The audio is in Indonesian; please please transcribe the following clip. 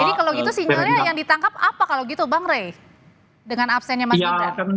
jadi kalau gitu sinyalnya yang ditangkap apa kalau gitu bang rey dengan absennya mas gibran